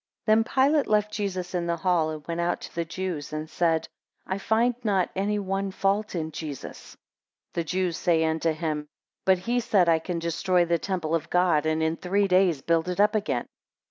THEN Pilate left Jesus in the hall, and went out to the Jews, and said, I find not any one fault in Jesus. 2 The Jews say unto him, But he said, I can destroy the temple of God, and in three days build it up again.